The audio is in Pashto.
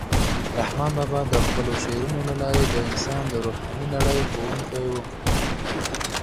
رحمان بابا د خپلو شعرونو له لارې د انسان د روحاني نړۍ ښوونکی و.